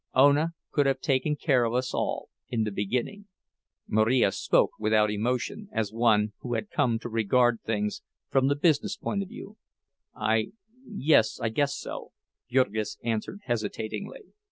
Ona could have taken care of us all, in the beginning." Marija spoke without emotion, as one who had come to regard things from the business point of view. "I—yes, I guess so," Jurgis answered hesitatingly.